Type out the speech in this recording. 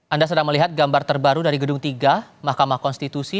anda sedang melihat gambar terbaru dari gedung tiga mahkamah konstitusi